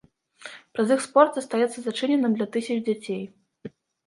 Праз іх спорт застаецца зачыненым для тысяч дзяцей.